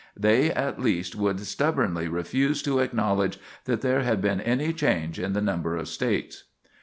They at least would stubbornly refuse to acknowledge that there had been any change in the number of States.